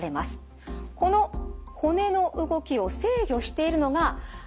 この骨の動きを制御しているのがこちら。